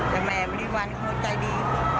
แต่แม่มะริวัลโคตรใจดี